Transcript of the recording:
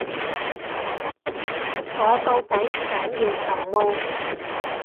我到底想要什麼